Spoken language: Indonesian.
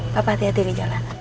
papa hati hati di jalanan